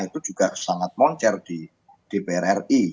itu juga sangat moncer di dpr ri